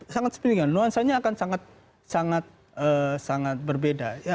sangat signifikan nuansanya akan sangat berbeda